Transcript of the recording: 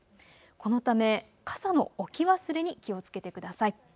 このため傘の置き忘れに気をつけてください。